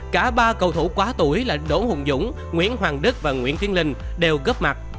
cả ba cầu thủ quá tuổi là đỗ hùng dũng nguyễn hoàng đức và nguyễn tiến linh đều góp mặt